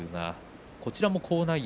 こちらも好内容。